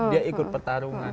dia ikut pertarungan